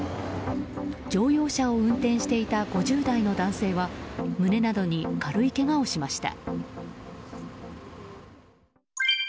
乗用車を運転していた５０代の男性は胸などに軽いけがをしました。